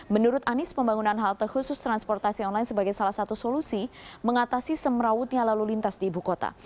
menurut anies pembangunan halte khusus transportasi online sebagai salah satu solusi mengatasi semrautnya lalu lintas di ibu kota